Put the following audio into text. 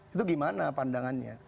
itu gimana pandangannya